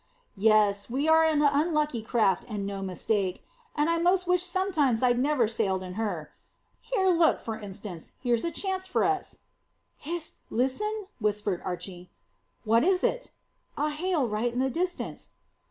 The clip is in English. "Yes, we are an unlucky craft and no mistake, and I 'most wish sometimes I'd never sailed in her. Look here, for instance, here's a chance for us." "Hist! Listen!" whispered Archy. "What is it?" "A hail right in the distance."